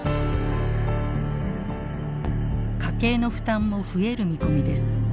家計の負担も増える見込みです。